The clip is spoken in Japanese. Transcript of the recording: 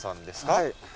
はい。